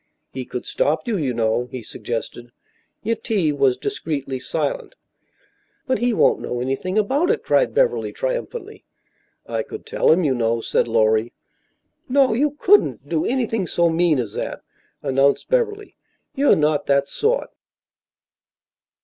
"He could stop you, you know," he suggested. Yetive was discreetly silent. "But he won't know anything about it," cried Beverly triumphantly. "I could tell him, you know," said Lorry. "No, you couldn't do anything so mean as that," announced Beverly. "You're not that sort."